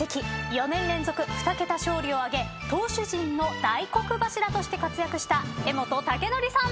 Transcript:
４年連続２桁勝利を挙げ投手陣の大黒柱として活躍した江本孟紀さん。